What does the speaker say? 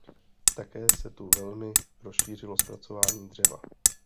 Také se tu velmi rozšířilo zpracování dřeva.